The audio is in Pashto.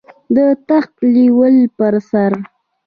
د تخت نیولو پر سر.